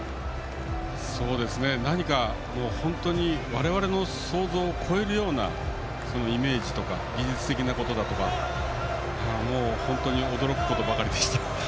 何か、我々の想像を超えるようなイメージとか技術的なことだとかもう、本当に驚くことばかりでした。